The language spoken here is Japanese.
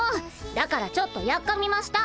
だからちょっとやっかみました。